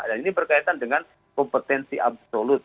dan ini berkaitan dengan kompetensi absolut